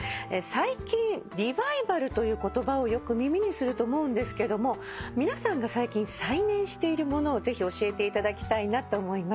最近「リバイバル」という言葉をよく耳にすると思うんですけども皆さんが最近再燃しているものをぜひ教えていただきたいなと思います。